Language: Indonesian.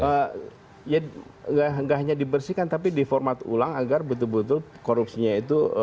tidak ya nggak hanya dibersihkan tapi diformat ulang agar betul betul korupsinya itu